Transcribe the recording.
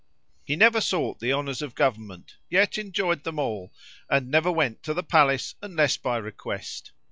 He never sought the honors of government; yet enjoyed them all; and never went to the palace unless by request.